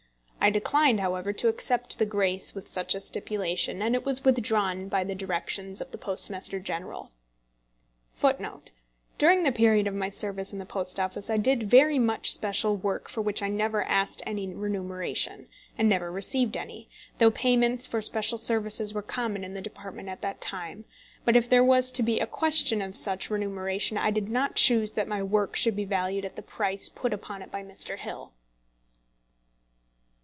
I declined, however, to accept the grace with such a stipulation, and it was withdrawn by the directions of the Postmaster General. [Footnpte 8: During the period of my service in the Post Office I did very much special work for which I never asked any remuneration, and never received any, though payments for special services were common in the department at that time. But if there was to be a question of such remuneration, I did not choose that my work should be valued at the price put upon it by Mr. Hill.